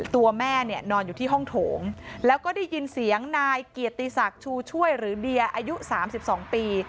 ตัวแม่เนี่ยนอนอยู่ที่ห้องโถงแล้วก็ได้ยินเสียงนายเกียรติศักดิ์ชูช่วยหรือเดียอายุ๓๒ปี